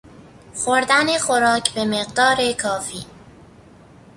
خوردن خوراک به مقدار کافی